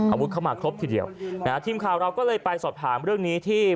อาวุธเข้ามาครบทีเดียวนะฮะทีมข่าวเราก็เลยไปสอบถามเรื่องนี้ที่